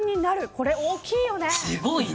これ大きいよね。